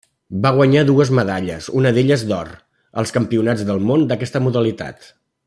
Va guanyar dues medalles, una d'elles d'or, als Campionats del món d'aquesta modalitat.